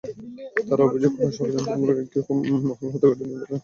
তাঁরা অভিযোগ করেন, ষড়যন্ত্রমূলকভাবে একটি মহল হত্যাকাণ্ড নিয়ে অপরাজনীতি করার চেষ্টা করছে।